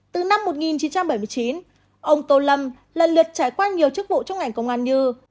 từ năm một nghìn chín trăm bảy mươi chín ông tô lâm lần lượt trải qua nhiều chức vụ trong ngành công an như